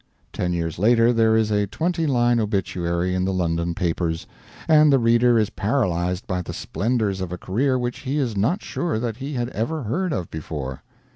Ten years later there is a twenty line obituary in the London papers, and the reader is paralyzed by the splendors of a career which he is not sure that he had ever heard of before.